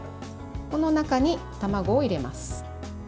この中に卵を入れます。